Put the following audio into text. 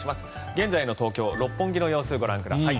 現在の東京・六本木の様子ご覧ください。